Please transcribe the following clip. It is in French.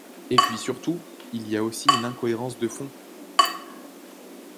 Et puis surtout, il y a aussi une incohérence de fond.